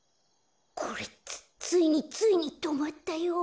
これつついについにとまったよ。